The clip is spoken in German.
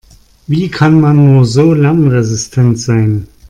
Wie kann man nur so lernresistent sein?